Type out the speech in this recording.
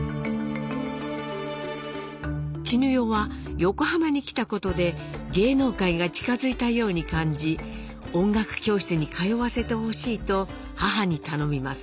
絹代は横浜に来たことで芸能界が近づいたように感じ音楽教室に通わせてほしいと母に頼みます。